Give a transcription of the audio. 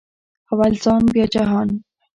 اول ځان بیا جهان